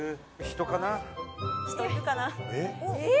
人いるかなえ